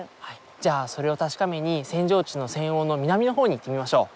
じゃあそれを確かめに扇状地の扇央の南のほうに行ってみましょう。